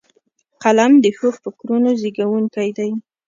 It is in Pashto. قلم د ښو فکرونو زیږوونکی دی